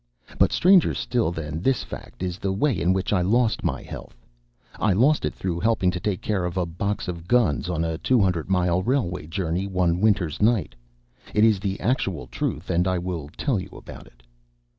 But stranger still than this fact is the way in which I lost my health. I lost it through helping to take care of a box of guns on a two hundred mile railway journey one winter's night. It is the actual truth, and I will tell you about it.